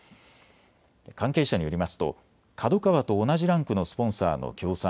関係者によりますとＫＡＤＯＫＡＷＡと同じランクのスポンサーの協賛